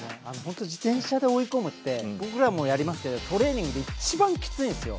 自転車で追い込むって僕らもやりますけど、トレーニングで一番きついんです。